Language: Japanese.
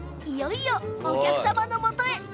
いよいよお客様のもとへ。